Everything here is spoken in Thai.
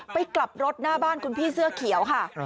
กลับรถหน้าบ้านคุณพี่เสื้อเขียวค่ะ